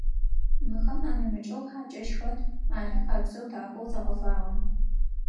Мыхэм анэмыкӏэу хьакӏэщ хэт, ари къабзэу, дахэу зэгъэфагъэ.